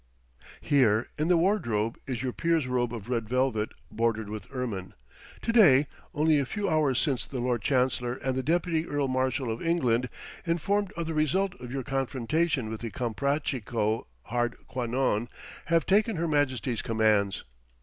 "Here, in the wardrobe, is your peer's robe of red velvet, bordered with ermine. To day, only a few hours since, the Lord Chancellor and the Deputy Earl Marshal of England, informed of the result of your confrontation with the Comprachico Hardquanonne, have taken her Majesty's commands.